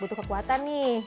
butuh kekuatan nih